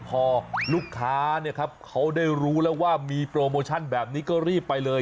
พอลูกค้าเขาได้รู้แล้วว่ามีโปรโมชั่นแบบนี้ก็รีบไปเลย